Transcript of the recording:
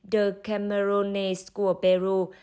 de camerones của peru